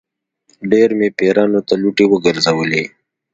ډېر مې پیرانو ته لوټې ګرځولې.